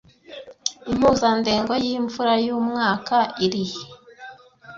Impuzandengo yimvura yumwaka irihe